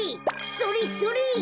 それそれ！